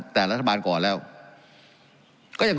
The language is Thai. การปรับปรุงทางพื้นฐานสนามบิน